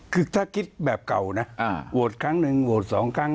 คือถ้าคิดแบบเก่านะโหวตครั้งหนึ่งโหวต๒ครั้ง